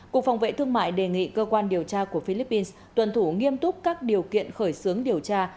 cục phòng vệ thương mại đề nghị cơ quan điều tra của philippines tuần thủ nghiêm túc các điều kiện khởi xướng điều tra